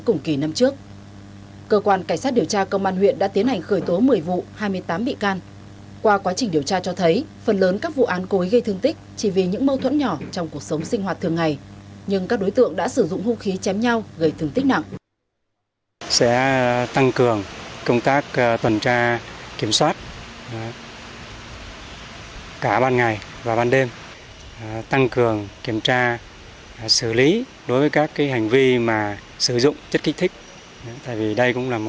trong chiến hành điều tra công an tỉnh phú thọ đề nghị cá nhân nào là bị hại trong vụ án nêu trên khẩn trương đến cơ quan cảnh sát điều tra công an tỉnh phú thọ đề nghị cá nhân nào là bị hại trong vụ án nêu trên vỏ chai bia thủy tinh các loại